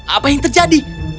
apa yang terjadi